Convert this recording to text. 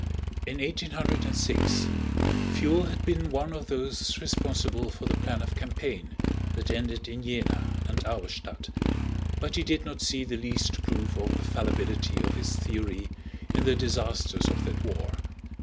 In 1806 Pfuel had been one of those responsible, for the plan of campaign that ended in Jena and Auerstädt, but he did not see the least proof of the fallibility of his theory in the disasters of that war.